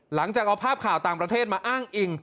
หลังจากเอาภาพข่าวต่างประเทศมาอ้างอิง